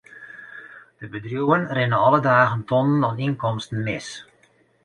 De bedriuwen rinne alle dagen tonnen oan ynkomsten mis.